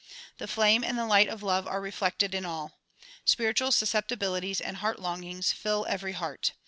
The flame and the light of love are reflected in all. Spiritual susceptibilities and heart longings fill every heart.